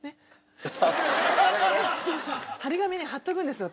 貼り紙貼っておくんですよ